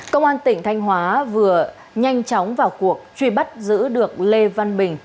công an tỉnh thanh hóa vừa nhanh chóng vào cuộc truy bắt giữ được lê văn bình